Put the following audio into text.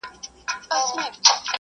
دا شورا به د ټاکنو قانون تعديل کړي.